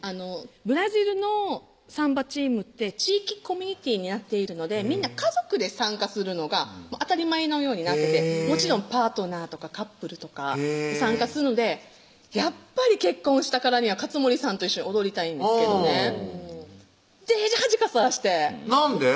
ブラジルのサンバチームって地域コミュニティーになっているのでみんな家族で参加するのが当たり前のようになっててもちろんパートナーとかカップルとか参加するんでやっぱり結婚したからには勝盛さんと一緒に踊りたいんですけどねでーじはじかさしてなんで？